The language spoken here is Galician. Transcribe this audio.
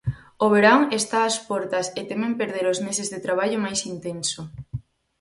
O verán está ás portas e temen perder os meses de traballo máis intenso.